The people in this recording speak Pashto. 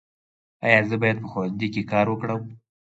ایا زه باید په ښوونځي کې کار وکړم؟